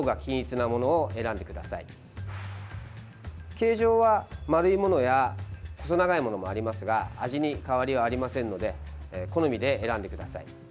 形状は、丸いものや細長いものもありますが味に変わりはありませんので好みで選んでください。